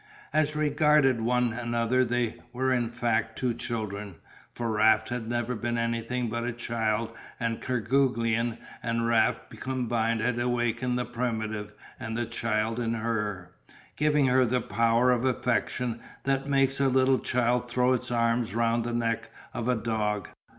As regarded one another they were in fact two children, for Raft had never been anything but a child and Kerguelen and Raft combined had awakened the primitive and the child in her, giving her the power of affection that makes a little child throw its arm round the neck of a dog.